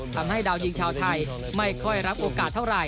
ทำให้ดาวยิงชาวไทยไม่ค่อยรับโอกาสเท่าไหร